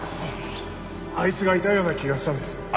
あいつがいたような気がしたんです。